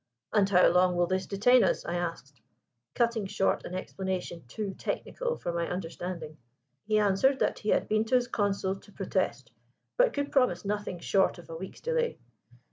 'And how long will this detain us?' I asked, cutting short an explanation too technical for my understanding. He answered that he had been to his Consul to protest, but could promise nothing short of a week's delay.